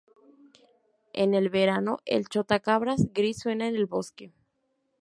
En el verano, el chotacabras gris suena en el bosque.